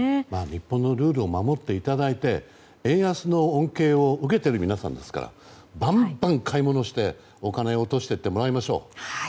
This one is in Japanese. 日本のルールを守っていただいて円安の恩恵を受けている皆さんですからバンバン買い物して、お金を落としていってもらいましょう。